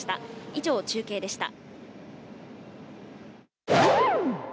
以上、中継でした。